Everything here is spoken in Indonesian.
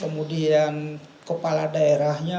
kemudian kepala daerahnya